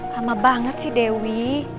lama banget dewi